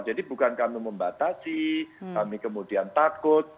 jadi bukan kami membatasi kami kemudian takut